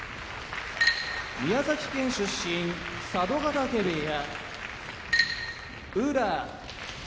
宮崎県出身佐渡ヶ嶽部屋宇良